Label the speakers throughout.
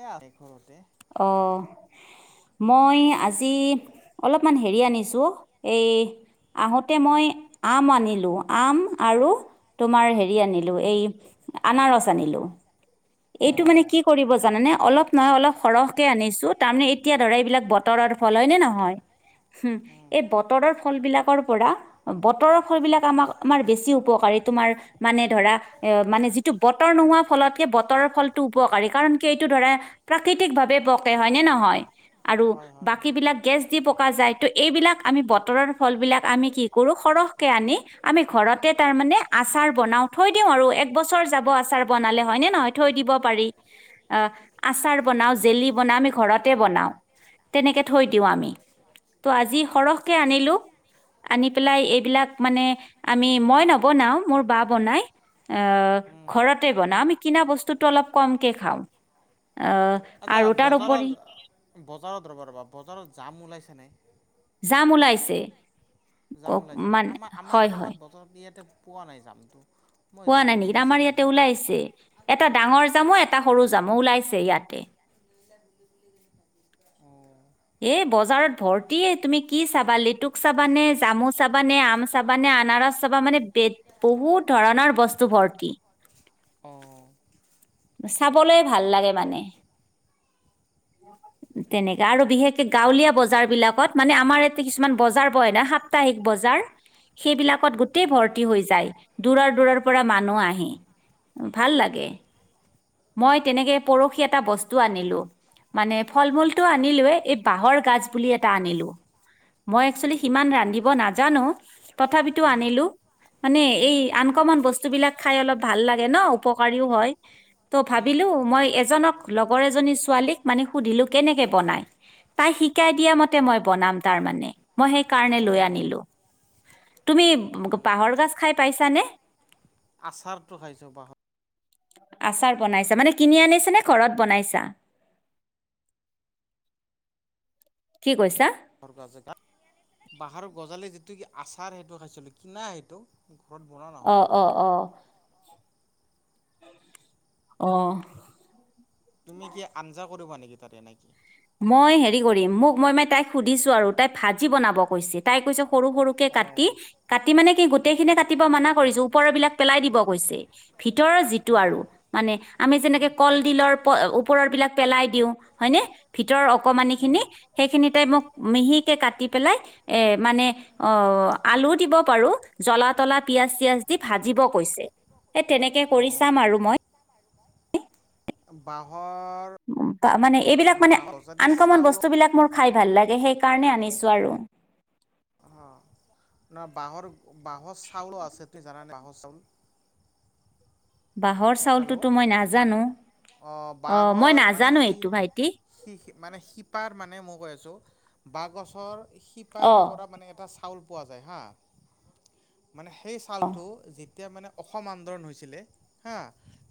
Speaker 1: এয়া আহি ঘৰতে।
Speaker 2: অ'। মই আজি অলপমান হেৰি আনিছো। এই আহোতে মই আম আনিলো। আম আৰু তোমাৰ হেৰি আনিলো এই আনাৰস আনিলো।
Speaker 1: অ
Speaker 2: এইটো মানে কি কৰিব জানানে অলপ এইটো মানে কি কৰিব জানা নে, অলপ সৰহকে আনিছো তাৰমানানে এতিয়া ধৰা এইবিলাক বতৰৰ। ফল হয় ন নহয়
Speaker 1: উম
Speaker 2: এই বতৰৰ ফল বিলাক ৰৰ পৰা, বতৰৰ ফল বিলাক আমাক আমাৰ বেছি উপকাৰী তোমাৰ মানে ধৰা, এ, মানে যিটো বতৰ নোহোৱা ফলতকে বত তৰৰ ফলটো উপকাৰী কাৰণ কি এইটো ধৰা প্ৰাকৃতিক ভাৱে পকে হয় নে নহয়? আৰু
Speaker 1: হয় হয়
Speaker 2: বাকী
Speaker 1: হয়
Speaker 2: বিলাক গেছ দি পকা যায়। ত' এইবিলাক আমি বতৰৰ ফল বিলাক আমি কি কৰো সৰহ আনি আমি ঘৰতে তাৰে মানে আচাৰ বনাও থৈ দিও আৰু এক বছৰ যাব আচাৰ বানালে। হয় ন নহয় থৈ দিব পাৰি। অ আচাৰ বনাওঁ জেলি বনাও আমি ঘৰতে বনাও। তেনেকে থৈ দিওঁ আমি। ত' আজি সৰহকে আনিলো আনি পেলাই এইবিলাক মানে আমি মই নবনাও মোৰ বা বনায়। অ',
Speaker 1: উম
Speaker 2: ঘৰতে বনা, আমি কিনা বচ ভাত অলপ কমকে খাওঁ অ
Speaker 1: আচ্ছা
Speaker 2: আৰু
Speaker 1: বজাৰত
Speaker 2: তাৰপৰি।
Speaker 1: বজাৰত ৰবা ৰবা বজাৰত জাম ওলাইছে নাই।
Speaker 2: জাম ওলাইছে।
Speaker 1: যাম
Speaker 2: ক-
Speaker 1: ওলাইছে না
Speaker 2: মানে
Speaker 1: আমাৰ আমাৰ
Speaker 2: হয় হয়
Speaker 1: আমাৰ বতৰত ইয়াতে পোৱা নাই জামটো। মই
Speaker 2: হোৱা নাই
Speaker 1: জামটো
Speaker 2: নেকি আমাৰ
Speaker 1: বিচাৰি
Speaker 2: ইয়াতে
Speaker 1: আছোঁ
Speaker 2: ওলাইছে, এটা ডাঙৰ জামু, এটা সৰু জামু ওলাইছে ইয়াতে।
Speaker 1: অ [unintelligible]
Speaker 2: এ, বজাৰত ভৰ্তি তুমি কি চাবা, লেতুক চাবানে, জামু চাবানে, আম চাব মানে আনাৰস চাবা মানে বে বহুত ধৰণৰ বস্তু ভৰ্তি।
Speaker 1: অঁ
Speaker 2: [unintelligible] চাবলৈ ভাল লাগে মানে। তেনেকা আৰু বিশেষকে গাঁৱলীয়া বজাৰ বিলাকত মানেআমাৰ ইয়াতে কিছুমান বজাৰ বয় ন সাপ্তাহিক বজাৰ সেইবিলাকত গোটেই ভৰ্তি হৈ যায় দূৰৰ - দূৰৰ পৰা মানুহ আহি। ভাল লাগে। মই তেনেকে পৰহি এটা বস্তু আনিলো মানে ফল মূলতটো আনিলোয়ে। এই বাঁহৰ গাজ বুলি এটা আনিলো। মই একচোৱেলি সিমান ৰান্ধিব নাজানো তথাপিতো আনিলো। মানে এই আনকমন বস্তু বিলাক খাই অলপ ভাল লাগে ন উপকাৰীও হয় ত' ভাবিলো। মই এজনক লগৰ এজনী ছোৱালীক মানে সুধিলো কেনেকে বনাই। তাক শিকাই দিয়া মতে মই বনাম তাৰ মানে। মই সেই কাৰণে লৈ
Speaker 1: অঁ
Speaker 2: আনিলো তুমি পাহৰ গছ খাই পাইছ চানে।
Speaker 1: আচাৰটো খাইছোঁ বাহৰ
Speaker 2: আচাৰ বনাইছা মানে কিনি আনিছা নে ঘৰত বনাইছা? [inaudible] কি কৈছা?
Speaker 1: গজা বাঁহৰ গজালি যিটো কি আচাৰ সেইটো খাইছিলো কিনা সেইটো। ঘৰত বনোৱা
Speaker 2: অ
Speaker 1: নহয়
Speaker 2: অ অ। আহ।
Speaker 1: তুমি কি আঞ্জা কৰিবা নেকি তাৰে এ নেকি।
Speaker 2: মই হেৰি কৰিম মোক মই মানে তাইক সুধিছো আৰু তাই ভাজি বনাব কৈছে, তাই কৈছ সৰু সৰুকে
Speaker 1: অঁ
Speaker 2: কাটি কাটি মানে কি গোটেইখিনি কাটিব মাননা কৰিছো ওপৰৰ বিলাক পেলাই দিব কৈছে। ভিতৰৰ যিটো আৰু মানে আমি যেনেকে কলডিলৰ ওপৰ বিলাক পেলাই দিওঁ হয়নে ভিতৰৰ অকণমানিখিনি সেইখিনিতোই মোক মিহিকে কাটি পেলাই এ মানে অ আলু দিব পাৰো জল তলা দি পিয়াজ চিয়াজ দি ভাজিব কৈছে সেই তেনেকে কৰি চাম আৰু মই।
Speaker 1: বাহ
Speaker 2: উম মানে এইবিলাক মানে
Speaker 1: বাঁহৰ যদি
Speaker 2: আনকমন
Speaker 1: চাউল
Speaker 2: বস্তু বিলাক মোৰ খাই ভাল লাগে সেইকাৰণে আনিছোঁ আৰু।
Speaker 1: অ ন বাঁহৰ বাঁহৰ চাউলো আছে তুমি জানানে বাঁহৰ চাউল
Speaker 2: বাঁহৰ চাউলটোতো
Speaker 1: হেল্ল'
Speaker 2: মই নাজানো
Speaker 1: অঁ
Speaker 2: অ, মই
Speaker 1: বাঁহৰ মানে
Speaker 2: নাজানো
Speaker 1: সি
Speaker 2: এইটো ভাইটি।
Speaker 1: সি মানে শিপাৰ মানে মই কৈ আছোঁ বাঁহগছৰ
Speaker 2: অ
Speaker 1: শিপাৰ পৰা মানে এটা চাউল পোৱা যায় হা, সেই
Speaker 2: অ
Speaker 1: ফাল টো। এতিয়া মানে অসম আন্দোলন হৈছিলে হা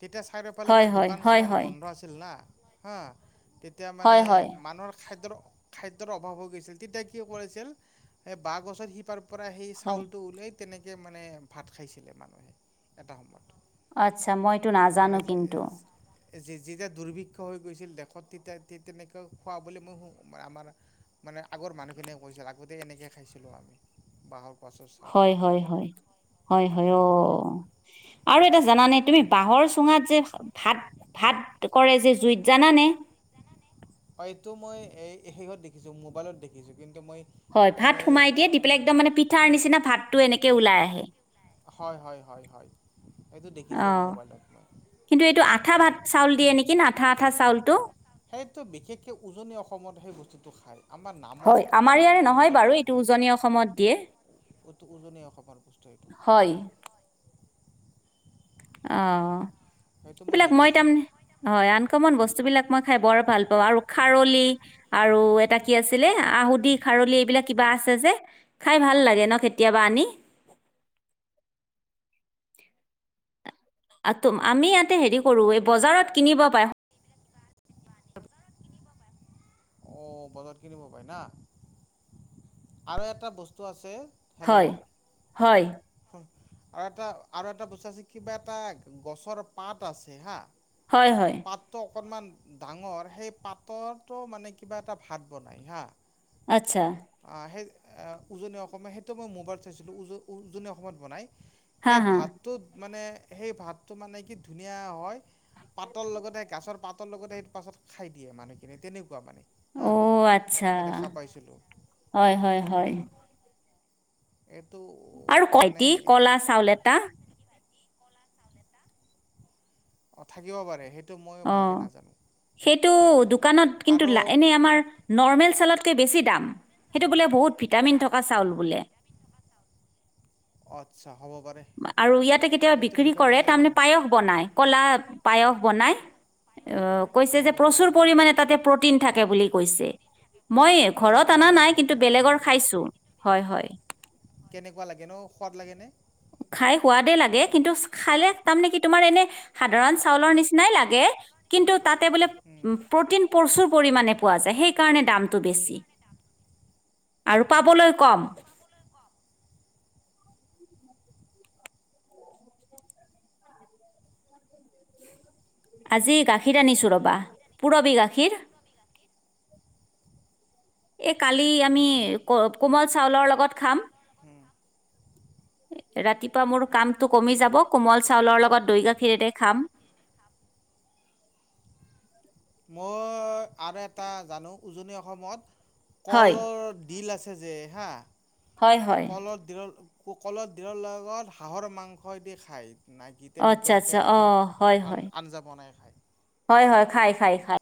Speaker 1: তেতিয়া চাই পৈ পেলে
Speaker 2: হয়
Speaker 1: মানে
Speaker 2: হয়
Speaker 1: দোকান
Speaker 2: হয়
Speaker 1: চোকান
Speaker 2: হয়
Speaker 1: বন্ধ আছিল না হা। তেতিয়া মানে
Speaker 2: হয় হয়
Speaker 1: মানুহৰ খাইদ্ৰ খাদ্যৰ অভাৱ হৈ গৈছিল তেতিয়া কি কৰিছিল এ বাহ গছৰ সিপাৰ পৰা সেই
Speaker 2: হয়।
Speaker 1: চাউলটো উলিয়াই তেনেকে মানে ভাত খাইছিলে মানুহে এটা সময়ত
Speaker 2: আচ্ছা মইতো নাজানো কিন্তু।
Speaker 1: যে যেতিয়া দুৰ্ভিক্ষ হৈ গৈছিল দেশত তেতিয়া তেনেকৈ খুৱাবলৈ মই আমাৰ মানে আগৰ মানুহখিনিয়ে কৈছিল আগতেই এনেকে খাইছিলোঁ আমি বাঁহৰ গছৰ
Speaker 2: হয়
Speaker 1: চাউল
Speaker 2: হয় হয় হয় হয় অ আৰু এটা জানা নে তুমি? বাঁহৰ চুঙাত যে ভাত ভাত কৰে যে জুইত জানানে?
Speaker 1: হয় এইটো মই এই শেষত দেখিছো মোবাইলত দেখিছো কিন্তু মই
Speaker 2: হয় ভাত
Speaker 1: এনেই
Speaker 2: সোমাই দিয়ে দি পেলাই একদম মানে পিঠাৰ নিচিনা ভাতটো এনেকে ওলাই আহে।
Speaker 1: হয়- হয়- হয়- হয় এইটো দেখিছো
Speaker 2: অ
Speaker 1: মোবাইলত হয়।
Speaker 2: কিন্তু এইটো আঠা ভাত চাউল দিয়ে নেকি আঠা আঠা চাউলটো।
Speaker 1: সেইতটো বিশেষকে উজনি অসমত সেই বস্তুটো খায়। আমাৰ
Speaker 2: হয়
Speaker 1: নামনিত তাতে
Speaker 2: আমাৰ ইয়াৰে নহয়
Speaker 1: প্ৰচলনটো
Speaker 2: বাৰু এইটো উজনি অসমত দিয়ে।
Speaker 1: অটো উজননে অসমান পুষ্ট এইটো।
Speaker 2: হয় অ
Speaker 1: সেইটো
Speaker 2: এইবিলাক মই
Speaker 1: দেখিছোঁ
Speaker 2: তাম অ আন অকমান বস্তু বিলাক মই খাই বৰ ভাল পাওঁ আৰু খাৰলি আৰু এটা কি আছিলে আহুদি আৰলি এইবিলাক কিবা আছে যে খাই ভাল লাগে ন, কেতিয়াবা আনি। [inaudible] আ তুম আমি ইয়াতে হেৰি কৰো এই বজাৰত কিনিব পাই।
Speaker 1: অ, বজাৰত কিনিব পাই না আৰু এটা বস্তু আছে
Speaker 2: হয়-হয়।
Speaker 1: অ, এটা আৰু এটা বস্তু আছে কিবা এটা গছৰ পাত আছে হা
Speaker 2: হয়-হয়।
Speaker 1: অকনমান ডাঙৰ সেই পাততো মানে কিবা এটা ভাত বনাই হা
Speaker 2: আচ্ছা।
Speaker 1: আ, উজনি অসমে সেইটো মই মোবাইলত চাইছিলোঁ উজ - উজনি অসমত বনাই।
Speaker 2: হা
Speaker 1: সেই
Speaker 2: হা
Speaker 1: ভাতটো মানে সেই ভাতটো মানে কি ধুনীয়া হয়। পাতৰ লগতে গাছৰ পাতৰ লগতে সেইটো পাছত খাই দিয়ে মানুহখিনি তেনেকুৱা মানে। হা
Speaker 2: অ' আচ্ছা
Speaker 1: মই দেখা পাইছিলোঁ
Speaker 2: হয়-হয়-হয়।
Speaker 1: এইটো
Speaker 2: আৰু [unintelligible]
Speaker 1: মানে
Speaker 2: টি কলা চাউল এটা
Speaker 1: অ থাকিব পাৰে সেইটো মই
Speaker 2: অঁ
Speaker 1: ভালকে নাজানো।
Speaker 2: সেইটো দোকানত কিন্তু
Speaker 1: আৰু
Speaker 2: এনে আমাৰ নৰ্মেল চাউলতকে বেছি। দাম সিটো বলে বহুত ভিটামিন থকা চাউল।
Speaker 1: আচ্ছা হ'ব পাৰে
Speaker 2: আৰু ইয়াতে কেতিয়াবা
Speaker 1: সেইটোৰ
Speaker 2: বিক্ৰী
Speaker 1: বিষয়ে মই
Speaker 2: কৰে,
Speaker 1: কিন্তু
Speaker 2: তাৰমানে
Speaker 1: নাই
Speaker 2: পায়স বনাই কলা। পায়স বনায়। আহ কৈছে
Speaker 1: অঁ
Speaker 2: যে প্ৰচুৰ
Speaker 1: হ'ব
Speaker 2: পৰিমাণে
Speaker 1: পাৰে
Speaker 2: তাতে প্ৰটিন থাকে বুলি কৈছে। মই
Speaker 1: সেইটো
Speaker 2: ঘৰত অনা
Speaker 1: সিমান
Speaker 2: নাই
Speaker 1: ভালকৈ
Speaker 2: কিন্তু বেলেগৰ
Speaker 1: নাজানো
Speaker 2: খাইছো হয়-হয়।
Speaker 1: কেনেকুৱা লাগে ন সোৱাদ লাগে নে।
Speaker 2: খাই সোৱাদে লাগে কিন্তু খালে তাৰমানে কি তোমাৰ এনে সাধাৰণ চাউলৰ নিচিনাই লাগে। কিন্তু তাতে বোলে প্ৰটিন প্ৰচুৰ পৰিমাণে পোৱা যায় সেইকাৰণে দাম। বেছি আৰু পাবলৈ কম। [inaudible] আজি গাখীৰ আনিছো ৰবা পুৰবি গাখীৰ। এই কালি আমি ক কোমল চাউলৰ লগত খাম। ৰাতিপুৱা মোৰ কামটো কমি যাব কোমল চাউলৰ লগত দৈ গাখীৰেৰে খাম। [inaudible]
Speaker 1: মই আৰু এটা জানো উজনি অসমত
Speaker 2: হয়
Speaker 1: কলৰ ডিল আছে। যে হা
Speaker 2: হয় হয়
Speaker 1: কলৰ ডিলৰ কলত দিলৰ লগত হাঁহৰ মাংসদি খায়। না কি
Speaker 2: অঁ আচ্ছা আচ্ছা
Speaker 1: তেনেকুৱাকে এখন
Speaker 2: অঁ হয়
Speaker 1: আ
Speaker 2: হয়
Speaker 1: আঞ্জা বনাই খায়।
Speaker 2: খায় খায়।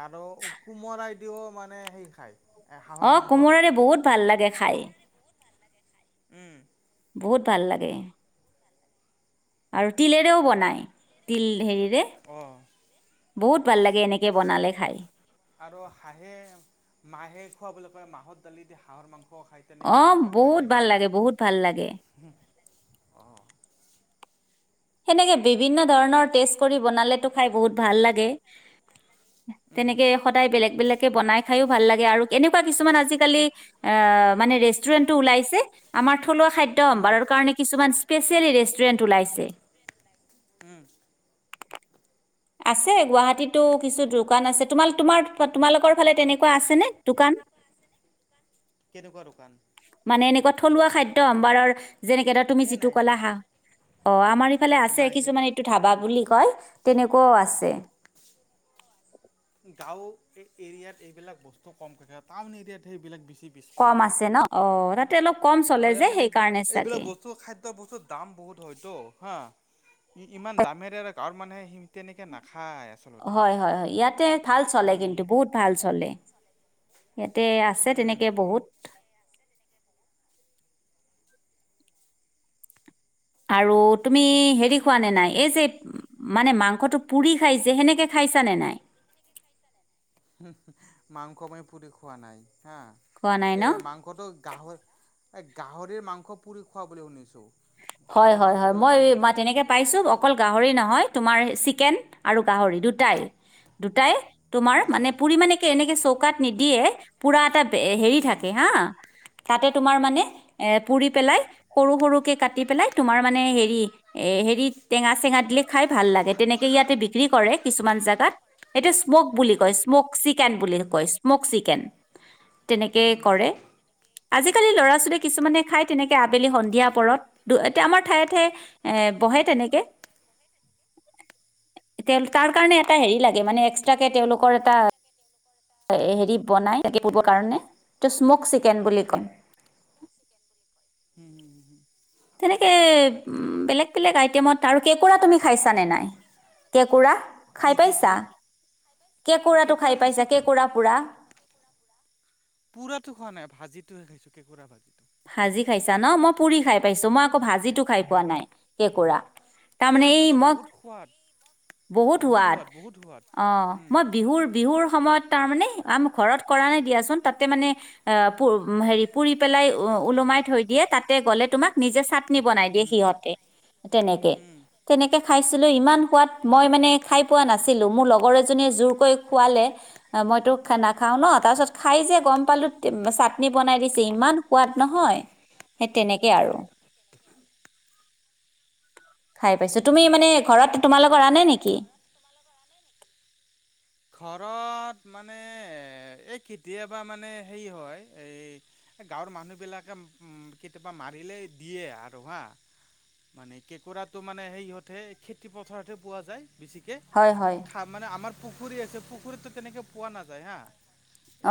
Speaker 1: আৰু কোমৰাইদিও মানে সে খাই।
Speaker 2: অ কোমোৰাৰে বহুত ভাল লাগে খাই।
Speaker 1: উম।
Speaker 2: বহুত ভাল লাগে। আৰু তিলেৰেও বনায় তিল হেৰিৰে
Speaker 1: অ'।
Speaker 2: বহুত ভাল লাগে এনেকে বনালে খাই।
Speaker 1: আৰু হাঁহে মাহে খোৱা বুলি কয়, মাহত দালি দি হাঁহৰ মাংস। খায় তেনেকৈ
Speaker 2: অ
Speaker 1: যে কয়
Speaker 2: বহুত
Speaker 1: হাঁহে
Speaker 2: ভাল
Speaker 1: মাহে।
Speaker 2: লাগে বহুত ভাল লাগে।
Speaker 1: [inaudible]
Speaker 2: সেনেকে বিভিন্ন ধৰণৰ টেষ্ট কৰি বনালেতো খাই বহুত ভাল লাগে।
Speaker 1: উম
Speaker 2: তেনেকে সদায় বেলেগ বেলেগকে বনাই খাইও ভাল লাগে আৰু কেনেক এনেকোৱা কিছুমান কালি আজি ৰেষ্টুৰেণ্টও ওলাইছে আমাৰ থুলোৱা খাদ্য
Speaker 1: উম
Speaker 2: সম্ভাৰৰ কাৰনে কিছুমান স্পেচিয়েলি ৰেষ্টুৰেণ্ট ওলাইছে।
Speaker 1: উম'।
Speaker 2: [inaudible] আছে গুৱাহাটীতো কিছু দোকান আছে তোম তোমাৰ তোমালোকৰ ফালে তেনেকুৱা আছে নে দোকান [unintelligible]
Speaker 1: কেনেকুৱা দোকান
Speaker 2: মানে এনেকুৱা থলুৱা খাদ্য আম বাৰৰ যেনেকে ধৰা তুমি
Speaker 1: এ
Speaker 2: যিটো
Speaker 1: নাই
Speaker 2: ক'লা
Speaker 1: নাই
Speaker 2: হাঁ অ' আমাৰ ফালে আছে
Speaker 1: নাই দে
Speaker 2: কিছুমানে এইটো ধাবা বুলি কয় তেনেকুৱাও আছে
Speaker 1: গাঁও এৰিয়াত এইবিলাক বস্তু কমকৈ থাক টাউন এৰিয়াত সেইবিলাক বে
Speaker 2: কম আছে ন, অ, তাতে অলপ কম
Speaker 1: ত
Speaker 2: চলে
Speaker 1: ইয়াত
Speaker 2: যে
Speaker 1: মানে
Speaker 2: সেইকাৰণে
Speaker 1: এইবিলাক
Speaker 2: চাগে
Speaker 1: বস্তু খাদ্য বস্তুৰ দাম বহুত হয়তো হা ইমান দামেৰে গাঁৱৰ মানুহে তেনেকৈ নাখায় আচলতে
Speaker 2: হয় হয় হয় ইয়াতে ভাল চলে
Speaker 1: উম
Speaker 2: কিন্তু বহুত ভাল চলে ইয়াতে আছে
Speaker 1: উম
Speaker 2: তেনেকে বহুত আৰু তুমি হেৰি খোৱা নে নাই এই যে মানে মাংসটো পুৰি খাই যে সেনেকে খাই নে নাই
Speaker 1: মাংস মই পুৰি খোৱা নাই হা,
Speaker 2: খোৱা নাই ন
Speaker 1: এই মাংসটো গাহৰ এই গাহৰিৰ মাংস পুৰি খোৱা বুলি শুনিছোঁ
Speaker 2: হয়
Speaker 1: গাহৰি
Speaker 2: হয়
Speaker 1: মাংস
Speaker 2: হয়
Speaker 1: বোলে
Speaker 2: মই
Speaker 1: পুৰি
Speaker 2: ম
Speaker 1: খায়
Speaker 2: তেনেকে পাইছো অকল গাহৰি নহয় তোমাৰ চিকেন আৰু গাহৰি দুটাই মানে তোমাৰ
Speaker 1: আচ্ছা
Speaker 2: পুৰি মানে কি এনেকে কাত নিদিয়ে পুৰা এটা হেৰি
Speaker 1: উম
Speaker 2: থাকে হাঁ তাতে তোমাৰ মানে এ পুৰি পেলাই সৰু সৰুকে কাটি কাতি পেলাই তোমাৰ মানে হেৰি এ হেৰিত টেঙা চেঙা দিলে খাই ভাল লাগে তেনেকে ইয়াতে বিক্ৰী কৰে কিছুমান জেগাত হেইটো স্মক বুলি
Speaker 1: উম
Speaker 2: কয় স্মক চিকেন বুলি কয় স্মক চিকেন তেনেকে
Speaker 1: উম উম
Speaker 2: কৰে
Speaker 1: উম
Speaker 2: আজিকালি ল'ৰা ছোৱালীয়ে কিছুমানে খাই তেনেকে আবেলি সন্ধিয়া পৰত এতিয়া আমাৰ ঠায়ে ঠায়ে এ বহে তেনেকে তেওঁ তাৰ কাৰণে এটা হেৰি লাগে মানে এক্সট্ৰাকে তেওঁলোকৰ এটা হেৰি বনাইৰ কাৰণে ত স্মক চিকেন বুলি ক'ম
Speaker 1: উম উম
Speaker 2: তেনেকে বেলেগ বেলেগ আইটেমত আৰু কেঁকোৰা তুমি খাইছানে নাই? কেঁকোৰা।
Speaker 1: কি
Speaker 2: খাই
Speaker 1: কি
Speaker 2: পাইছা
Speaker 1: কি
Speaker 2: কেঁকোৰাটো
Speaker 1: কেঁকোৰা
Speaker 2: খাই পাইছা
Speaker 1: খাইছোঁ
Speaker 2: কেঁকোৰা পুৰা
Speaker 1: পুৰা খোৱা নাই ভাজিহে খাইছো কেঁকুৰা ভাজি
Speaker 2: ভাজি খাইছা ন মই পুৰি খাই পাইছো মই আকৌ ভাজিতো খাই পোৱা নাই কেঁকুৰা
Speaker 1: সেই
Speaker 2: তাৰমানে এই
Speaker 1: কৰাটোতো
Speaker 2: মই
Speaker 1: বহুত সোৱাদ
Speaker 2: বহুত সোৱাদ অ
Speaker 1: উম,
Speaker 2: মই বিহুৰ বিহুৰ সময়ত তাৰ মানে আমি ঘৰত কৰা নাই দিয়াচোন তাতে মানে অ' প হেৰি পুৰি পেলাই ওলমাই থৈ দিয়ে তাতে গ'লে তোমাক নিজে চাদ বনাই দিয়ে
Speaker 1: উম,
Speaker 2: সিহঁতে তেনেকে
Speaker 1: উম,
Speaker 2: তেনেকে খাইছিলো মই মানে ইমান সোৱাদ মই মানে খাই পোৱা নাছিলো মো লগৰ এজনীয়ে জোৰ কৰি খোৱালে মইতো নাখাওঁ ন, তাৰপিছত খাই যে গম পালোঁ চাটনি বনাই দিছে ইমান সোৱাদ নহয়, সেই তেনেকে আৰু।
Speaker 1: উম,
Speaker 2: খাই পাইছো তুমি মানে
Speaker 1: উম।
Speaker 2: ঘৰত তোমালোকৰ আনে নেকি
Speaker 1: ঘৰত মানে এই কেতিয়াবা মানে হেৰি হয় এই গাঁৱৰ মানুহবিলাকে কেতিয়াবা মাৰিলেই দিয়ে আৰু হা মানে কেঁকোৰাটো মানে সেই ইহঁতহে, খেতি পথাৰত হে পোৱা যায়। বেছিকে
Speaker 2: হয় হয়
Speaker 1: খা মানে আমাৰ পুখুৰী আছে পুখুৰীতো তেনেকে পোৱা নাযায় হা।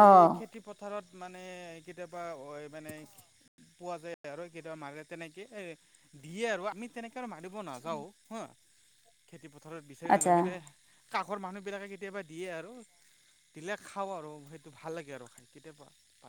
Speaker 2: অ
Speaker 1: এই খেতি পথাৰত মানে কেতিয়াবা মানে পোৱা যায়, আৰু কেতিয়াবা মাৰিলে তেনেকে এ দিয়ে আৰু আমি তেনেকে আৰু মাৰিব নাযাও হা। খেতি পথাৰত বিচাৰি নাযাওঁ,
Speaker 2: আচ্ছা
Speaker 1: কিন্ত কাষৰ মানুহ বিলাকে কেতিয়াবা দিয়ে আৰু, দিলে খাওঁ আৰু, সেইটো ভাল লাগে আৰু খাই কেতিয়াবা প